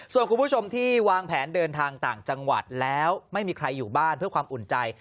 ส่วนคุณผู้ชมที่วางแผนเดินทางต่างจังหวัดแล้วไม่มีใครอยู่บ้านเพื่อความอุ่นใจ